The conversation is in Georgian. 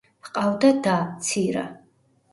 ჰყავდა და, ცირა.